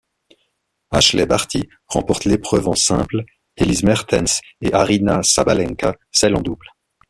Ashleigh Barty remporte l'épreuve en simple, Elise Mertens et Aryna Sabalenka celle en double.